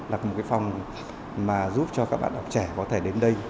là một phòng giúp cho các bạn đọc trẻ có thể đến đây